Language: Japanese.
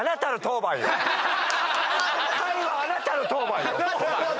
会話あなたの当番よ！